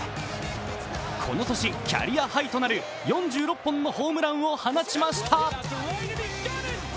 この年、キャリアハイとなる４６本のホームランを放ちました。